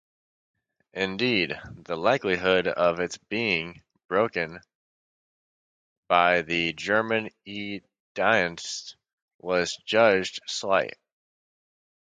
Indeed, the likelihood of its being broken by the German "E-Dienst" was judged slight.